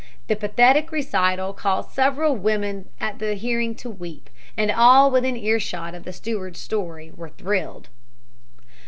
The pathetic recital caused several women at the hearing to weep, and all within earshot of the steward's story were thrilled.